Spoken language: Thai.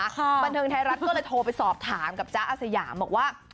บันเทิงไทยรัฐก็เลยโทรไปสอบถามกับจ๊ะอาสยามบอกว่า